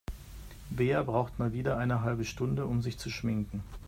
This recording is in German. Bea braucht mal wieder eine halbe Stunde, um sich zu schminken.